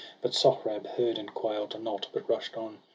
But Sohrab heard, and quail'd not, but rush'd on.